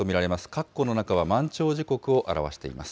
かっこの中は満潮時刻を表しています。